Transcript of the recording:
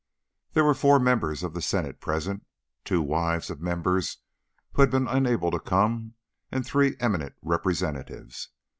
There were four members of the Senate present, two wives of members who had been unable to come, and three eminent Representatives.